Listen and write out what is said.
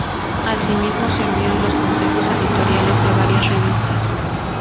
Asimismo, sirvió en los consejos editoriales de varias revistas.